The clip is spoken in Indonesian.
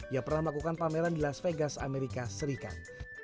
ia pernah melakukan pameran di las vegas amerika serikat